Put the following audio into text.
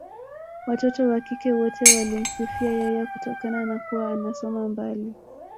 Watoto wa kike wote walimsifia yeye kutokana na kuwa anasoma mbali